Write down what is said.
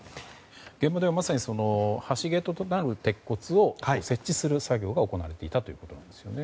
現場ではまさに橋桁となる鉄骨を設置する作業が行われていたということですね。